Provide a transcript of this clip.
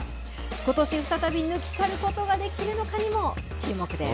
ことし再び、抜き去ることができるのかにも注目です。